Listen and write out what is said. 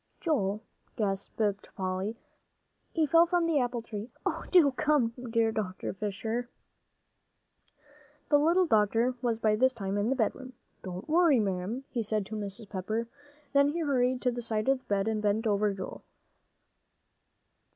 "Joel," gasped Polly; "he fell from the apple tree. Oh, do come, dear Dr. Fisher." The little doctor was by this time in the bedroom. "Don't worry, ma'am," he said to Mrs. Pepper, then he hurried to the side of the bed and bent over Joel.